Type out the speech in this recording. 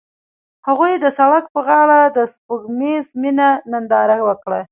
هغوی د سړک پر غاړه د سپوږمیز مینه ننداره وکړه.